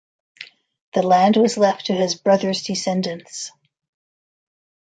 The land was left to his brother's descendants.